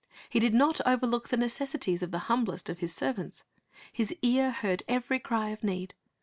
He did not oxerlook the necessities of the humblest of His sei^vants. His ear heard every cry of need.